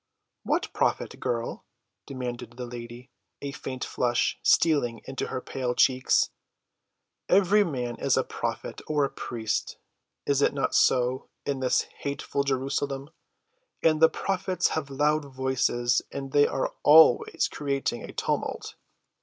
"What prophet, girl?" demanded the lady, a faint flush stealing into her pale cheeks. "Every man is a prophet—or a priest, is it not so, in this hateful Jerusalem? And the prophets have loud voices, and they are always creating a tumult."